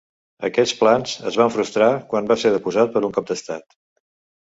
Aquests plans es van frustrar quan va ser deposat per un cop d'estat.